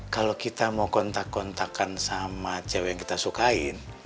kalau kita mau kontak kontakkan sama cewek yang kita sukain